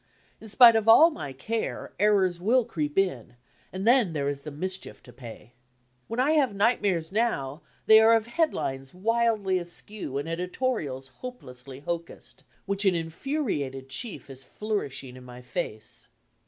In spite of all my care 'errors will creep in' and then there is the mischief to pay. When I have nightmares now they are of headlines wildly askew and editorials hopelessly hocussed, which an infuriated chief is flourishing in my face.